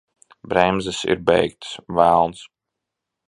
Bremzes ir beigtas! Velns!